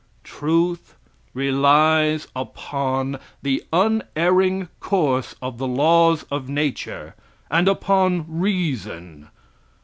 Truth relies upon the unerring course of the laws of nature, and upon reason.